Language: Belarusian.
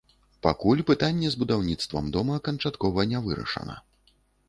Пакуль пытанне з будаўніцтвам дома канчаткова не вырашана.